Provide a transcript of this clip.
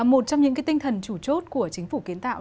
một trong những cái tinh thần chủ chốt của chính phủ kiến tài